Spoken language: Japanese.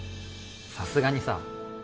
さすがにさ